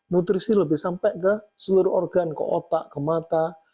nutrisi lebih sampai ke seluruh organ ke otak ke mata